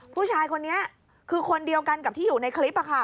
ผู้ชายคนนี้คือคนเดียวกันกับที่อยู่ในคลิป